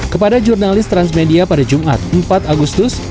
kepada jurnalis transmedia pada jumat empat agustus